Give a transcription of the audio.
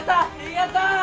やったー！